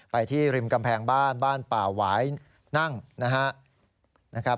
ไปที่ริมกำแพงบ้านบ้านป่าหวายนั่งนะครับ